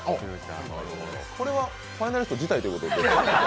これはファイナリスト辞退ということで？